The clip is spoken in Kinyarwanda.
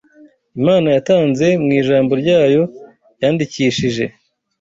Imana yatanze mu ijambo ryayo yandikishije.